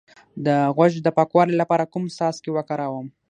د غوږ د پاکوالي لپاره کوم څاڅکي وکاروم؟